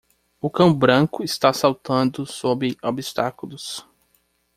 O cão branco está saltando sobre obstáculos.